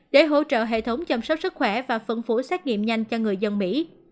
để hỗ trợ hệ thống chăm sóc sức khỏe và phân phối xét nghiệm nhanh cho người dân mỹ